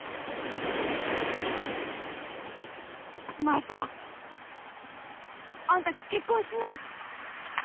マサあんた結婚しな。